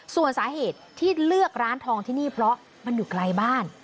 ส่วนสาเหตุที่เลือกร้านทองที่นี่เพราะมันอยู่ไกลบ้าน